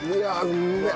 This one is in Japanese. うめえ！